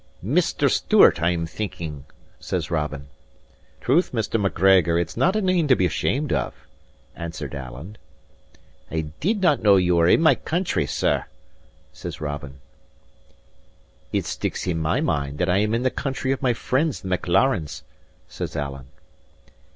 "Mr. Stewart, I am thinking," says Robin. "Troth, Mr. Macgregor, it's not a name to be ashamed of," answered Alan. "I did not know ye were in my country, sir," says Robin. "It sticks in my mind that I am in the country of my friends the Maclarens," says Alan.